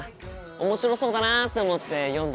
面白そうだなって思って読んだ